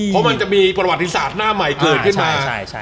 เพราะมันจะมีประวัติศาสตร์หน้าใหม่เกิดขึ้นมา